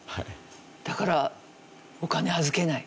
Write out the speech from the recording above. だからお金預けない。